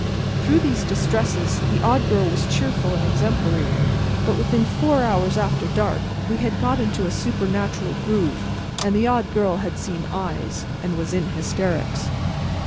Through these distresses, the Odd Girl was cheerful and exemplary. But within four hours after dark we had got into a supernatural groove, and the Odd Girl had seen "Eyes," and was in hysterics.